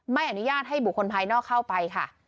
ไม่อนุญาตให้บุคคลภายนอกเข้าไปค่ะ